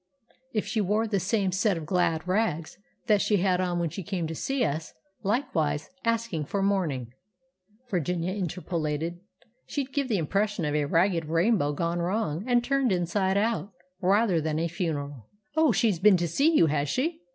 "If she wore the same set of glad rags that she had on when she came to see us, likewise asking for mourning," Virginia interpolated, "she'd give the impression of a ragged rainbow gone wrong and turned inside out, rather than a funeral." "Oh, she's been to you, has she?